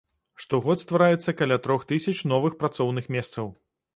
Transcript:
Штогод ствараецца каля трох тысяч новых працоўных месцаў.